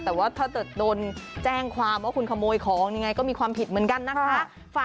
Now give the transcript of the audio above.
แต่ว่าถ้าเกิดโดนแจ้งความว่าคุณขโมยของยังไงก็มีความผิดเหมือนกันนะคะ